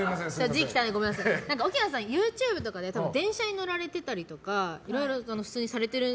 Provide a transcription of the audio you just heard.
奥菜さん、ＹｏｕＴｕｂｅとかで電車に乗られていたりとか普通にされていて。